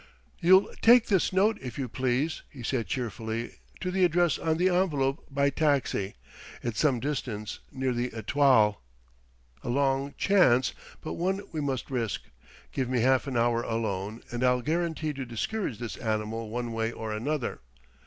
"You'll take this note, if you please," he said cheerfully, "to the address on the envelope, by taxi: it's some distance, near the Etoile.... A long chance, but one we must risk; give me half an hour alone and I'll guarantee to discourage this animal one way or another.